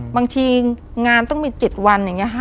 บางทีงานต้องมี๗วันอย่างนี้ค่ะ